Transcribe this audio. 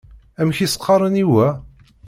Amek i s-qqaren i wa?